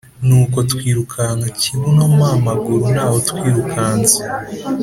Nuko twirukanka Kibuno mpa amaguru ntawutwirukansa